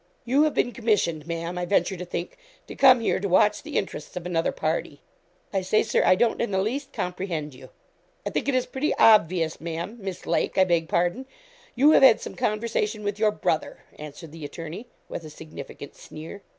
'You have been commissioned, Ma'am, I venture to think, to come here to watch the interests of another party.' 'I say, Sir, I don't in the least comprehend you.' 'I think it is pretty obvious, Ma'am Miss Lake, I beg pardon you have had some conversation with your brother,' answered the attorney, with a significant sneer.